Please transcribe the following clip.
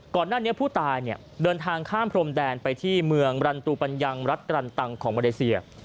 ก่อนหน้านี้ผู้ตายเนี่ยเดินทางข้ามพรมแดนไปที่เมืองรันตูปัญญังรัฐกรันตังของมาเลเซีย